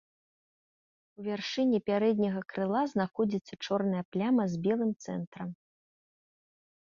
У вяршыні пярэдняга крыла знаходзіцца чорная пляма з белым цэнтрам.